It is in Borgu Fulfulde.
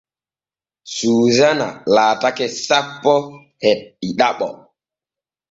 Suusana laatake sappo e ɗiɗaɓo.